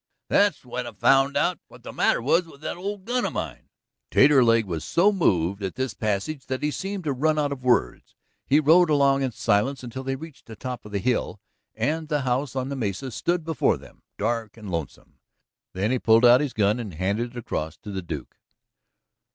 That's when I found out what the matter was with that old gun of mine." Taterleg was so moved at this passage that he seemed to run out of words. He rode along in silence until they reached the top of the hill, and the house on the mesa stood before them, dark and lonesome. Then he pulled out his gun and handed it across to the Duke.